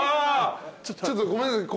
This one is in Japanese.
ちょっとごめんなさい